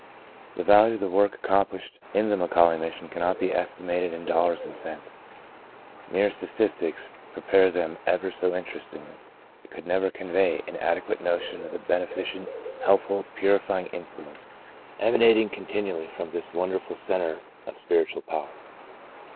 The value of the work accomplished in the McAuley Mission cannot be estimated in dollars and cents. Mere statistics, pre pare them ever so interestingly, could never convey an adequate notion of the benefi cent, helpful, purifying influence, emana ting continually from this wonderful cen tre of spiritual power.